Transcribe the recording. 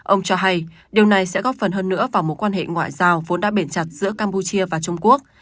ông cho hay điều này sẽ góp phần hơn nữa vào mối quan hệ ngoại giao vốn đã bền chặt giữa campuchia và trung quốc